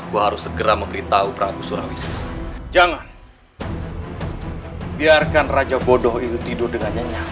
aku harus segera memberitahu pragu surawi jangan biarkan raja bodoh itu tidur dengan nyanyi